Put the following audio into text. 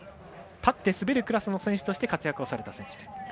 立って滑るクラスの選手として活躍をされた選手です。